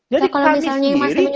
jadi kami sendiri